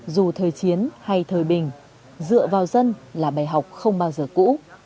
dù thời chiến hay thời bình dựa vào dân là bài học không bao giờ cũ